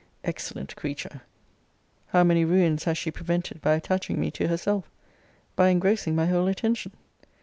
Excellent creature! How many ruins has she prevented by attaching me to herself by engrossing my whole attention.